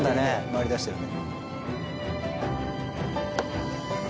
回りだしてるね。